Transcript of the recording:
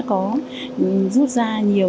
có rút ra nhiều